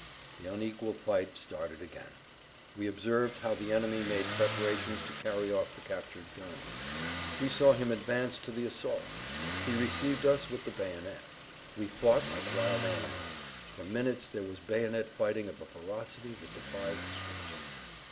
The unequal fight started again. We observed how the enemy made preparations to carry off the captured guns. We saw him advance to the assault. He received us with the bayonet. We fought like wild animals. For minutes there was bayonet fighting of a ferocity that defies description.